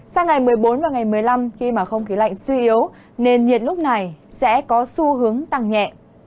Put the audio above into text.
sau ngày một mươi bốn một mươi năm khi mà không khí lạnh suy yếu nền nhiệt lúc này sẽ có xu hướng tăng nhẹ